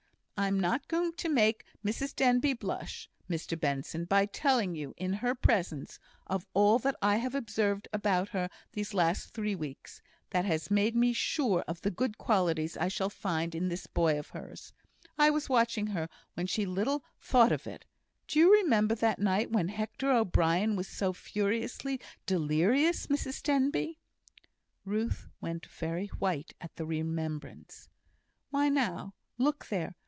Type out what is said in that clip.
I'm not going to make Mrs Denbigh blush, Mr Benson, by telling you, in her presence, of all I have observed about her this last three weeks, that has made me sure of the good qualities I shall find in this boy of hers. I was watching her when she little thought it. Do you remember that night when Hector O'Brien was so furiously delirious, Mrs Denbigh?" Ruth went very white at the remembrance. "Why now, look there!